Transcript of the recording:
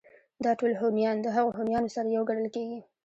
دا ټول هونيان د هغو هونيانو سره يو گڼل کېږي